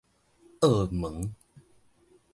澳門